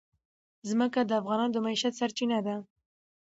ځمکه د افغانانو د معیشت سرچینه ده.